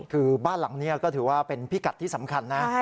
คือบ้านหลังนี้ก็ถือว่าเป็นพิกัดที่สำคัญนะ